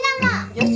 よし。